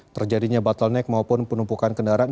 terjadinya bottleneck maupun penumpukan kendaraan